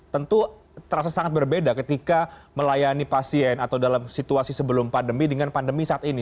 tentu terasa sangat berbeda ketika melayani pasien atau dalam situasi sebelum pandemi dengan pandemi saat ini